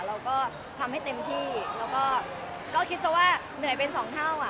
เราก็ทำให้เต็มที่แล้วก็คิดซะว่าเหนื่อยเป็นสองเท่าอ่ะ